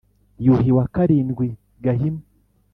yuhi wa karindwi gahima